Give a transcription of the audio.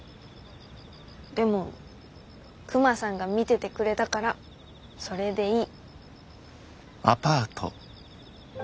でもクマさんが見ててくれたからそれでいい。